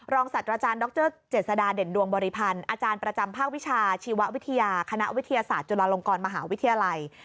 ศัตว์อาจารย์ดรเจษฎาเด่นดวงบริพันธ์อาจารย์ประจำภาควิชาชีววิทยาคณะวิทยาศาสตร์จุฬาลงกรมหาวิทยาลัย